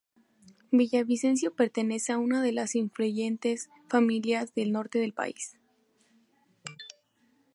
Villavicencio pertenece a una de las influyentes familias de norte del país.